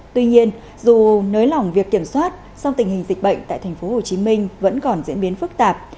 tuy nhiên dù nới lỏng việc kiểm soát song tình hình dịch bệnh tại tp hcm vẫn còn diễn biến phức tạp